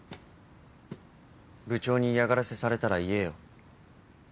部長に嫌がらせされたら言えよ。